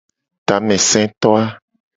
Tameseto a.